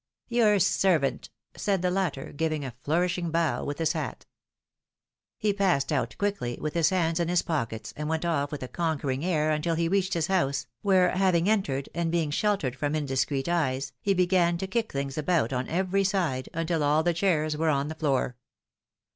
Your servant !" said the latter, giving a flourishing bow with his hat. He passed out quickly, with his hands in his pockets, and went off with a conquering air until he reached his house, where having entered, and being sheltered from indiscreet eyes, he began to kick things about on every side, until all the chairs were on the floor.